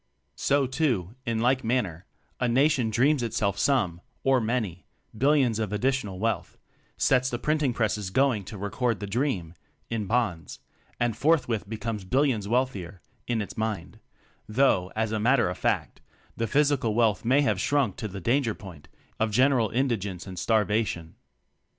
So too, in like manner, a nation dreams itself some (or many) billions of additional wealth; sets the print ing presses going to record the dream in "bonds"; and forthwith becomes billions wealthier (in its mind), though, as a matter of fact, the physical wealth may have shrunk to the danger point of general in digence and starvation.